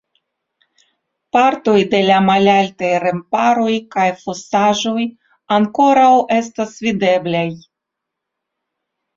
Partoj de la malaltaj remparoj kaj fosaĵoj ankoraŭ estas videblaj.